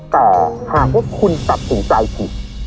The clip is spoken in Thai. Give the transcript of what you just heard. แต่หากว่าคุณตัดสินใจผิด